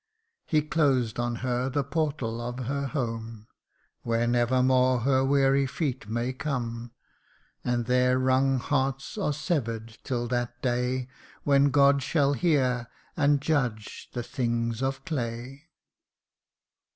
He closed on her the portal of her home, Where never more her weary feet may come And their wrung hearts are sever'd till that day When God shall hear, and judge the things of clay.